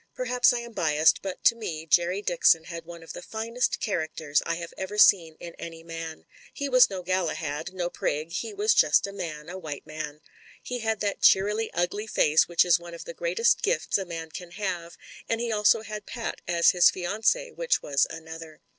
Perhaps I am biassed, but to me Jerry Dixon had one of the finest characters I have ever seen in any man. He was no Galahad, no prig; he was just a man, a white man. He had that cheerily ugly face which is one of the greatest gifts a man THE FATAL SECOND loi can have, and he also had Pat as his fiancee, which was another.